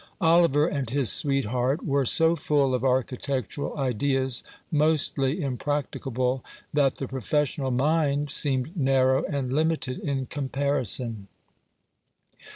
Oliver and his sweetheart were so full of architectural ideas, mostly impracticable, that the professional mind seemed narrow and limited in comparison.